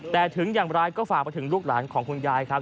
แต่ถึงอย่างไรก็ฝากไปถึงลูกหลานของคุณยายครับ